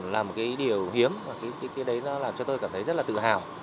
là một cái điều hiếm và cái đấy nó làm cho tôi cảm thấy rất là tự hào